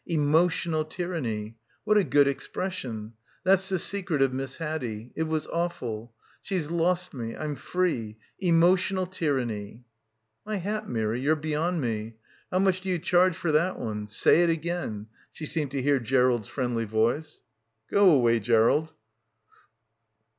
... Emotional tyranny. ... What a good expression ... that's the secret of Miss Haddie. It was awful. She's lost me. I'm free. Emotional tyranny/ ... 'My hat, Mirry, you're beyond me. How much do you charge for that one. Say it again,' she seemed to hear Gerald's friendly voice. Go away Gerald.